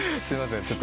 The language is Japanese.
すいません。